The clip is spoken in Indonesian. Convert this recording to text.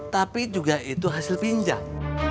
tapi juga itu hasil pinjam